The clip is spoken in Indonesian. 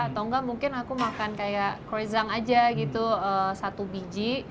atau enggak mungkin aku makan kayak croissant aja gitu satu biji